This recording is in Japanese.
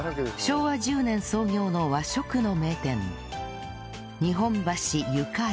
昭和１０年創業の和食の名店日本橋ゆかり